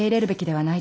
はい。